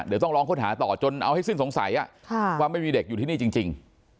เดี๋ยวต้องลองค้นหาต่อจนเอาให้สิ้นสงสัยว่าไม่มีเด็กอยู่ที่นี่จริง